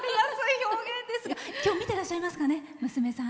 今日見てらっしゃいますかね、娘さん。